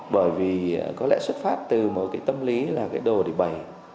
bởi vì có lẽ xuất phát từ một cái tâm lý là cái đồ để bày